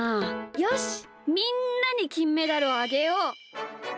よしみんなにきんメダルをあげよう！